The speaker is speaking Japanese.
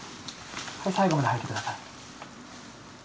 最後まで吐いてください。